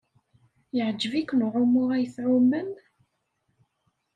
Yeɛjeb-iken uɛumu ay tɛumem?